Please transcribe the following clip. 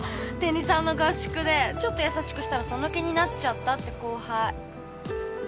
テニサーの合宿でちょっと優しくしたらその気になっちゃったって後輩。